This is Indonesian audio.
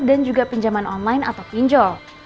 dan juga pinjaman online atau pinjol